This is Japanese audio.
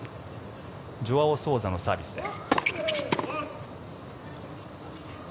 ジョアオ・ソウザのサービスです。